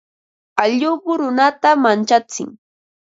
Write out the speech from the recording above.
Alluqu runata manchatsin.